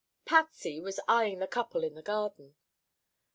Patsy was eyeing the couple in the garden.